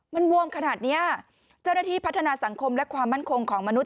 มันบวมขนาดนี้เจ้าหน้าที่พัฒนาสังคมและความมั่นคงของมนุษ